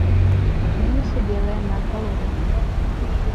Махнулася белае над галовамі.